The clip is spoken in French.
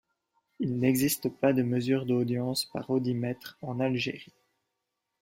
Il n'existe pas de mesures d'audiences par audimètres en Algérie.